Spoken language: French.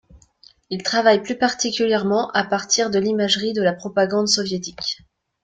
Ils travaillent plus particulièrement à partir de l’imagerie de la propagande soviétique.